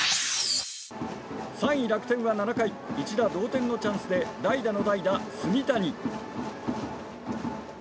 ３位、楽天は７回一打同点のチャンスで代打の代打、炭谷。